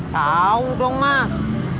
tau dong mas